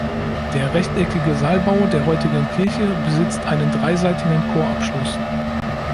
Der rechteckige Saalbau der heutigen Kirche besitzt einen dreiseitigen Chorabschluss.